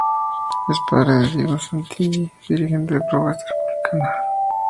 Es padre de Diego Santilli, dirigente de Propuesta Republicana.